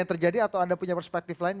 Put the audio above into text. yang terjadi atau anda punya perspektif lain